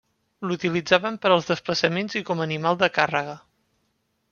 L'utilitzaven per als desplaçaments i com a animal de càrrega.